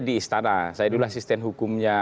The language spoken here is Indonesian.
di istana saya dulu asisten hukumnya